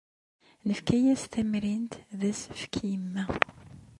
Nefka-as tamrint d asefk i yemma.